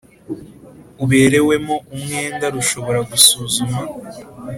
uberewemo umwenda rushobora gusuzuma